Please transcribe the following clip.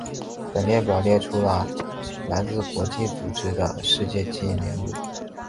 本列表列出了来自国际组织的世界记忆名录。